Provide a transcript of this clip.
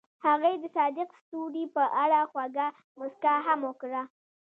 هغې د صادق ستوري په اړه خوږه موسکا هم وکړه.